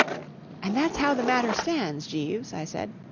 " And that's how the matter stands, Jeeves/ 1 I said.